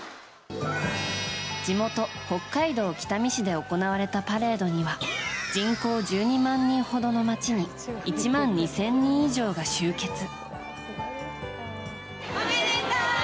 地元・北海道北見市で行われたパレードには人口１２万人ほどの街に１万２０００人以上が集結。